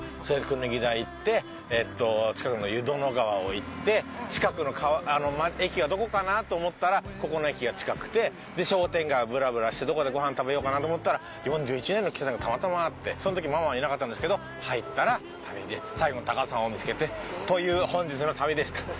それで椚田行ってえっと近くの湯殿川を行って近くの川駅はどこかなと思ったらここの駅が近くて商店街をぶらぶらしたところでご飯食べようかなと思ったら４１年の喫茶店がたまたまあってその時ママはいなかったんですけど入ったら旅で最後の高尾山を見つけてという本日の旅でした。